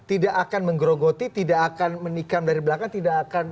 tidak akan menggerogoti tidak akan menikam dari belakang tidak akan